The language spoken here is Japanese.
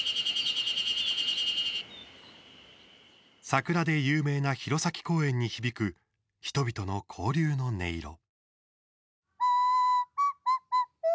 桜で有名な弘前公園に響く人々の交流の音色。